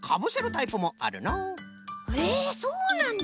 へえそうなんだ。